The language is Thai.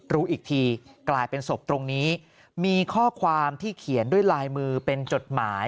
รู้อีกทีกลายเป็นศพตรงนี้มีข้อความที่เขียนด้วยลายมือเป็นจดหมาย